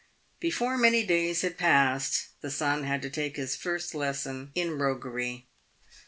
Before many days had passed, the son had to take his first lesson in roguery.